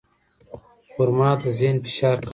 خرما د ذهني فشار کموي.